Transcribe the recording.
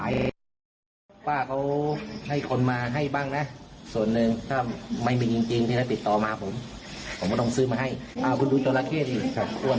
ยังไม่ได้ตอนนี้แต่ก็จัดค่าขายเลย